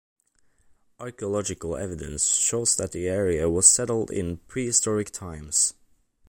Archaeological evidence shows that the area was settled in prehistoric times.